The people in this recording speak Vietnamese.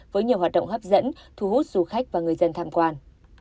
với nhiều hoạt động hấp dẫn thu hút du khách và người dân tham quan